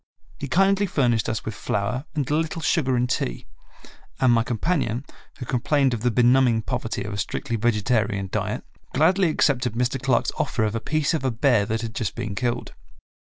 He kindly furnished us with flour and a little sugar and tea, and my companion, who complained of the be numbing poverty of a strictly vegetarian diet, gladly accepted Mr. Clark's offer of a piece of a bear that had just been killed.